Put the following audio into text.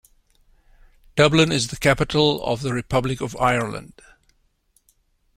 Dublin is the capital of the Republic of Ireland.